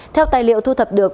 theo tài liệu thu thập được